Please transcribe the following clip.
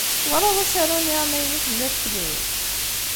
Twalaḍ asaru-nni amaynut n Netflix?